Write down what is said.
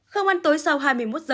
không ăn tối sau hai mươi một h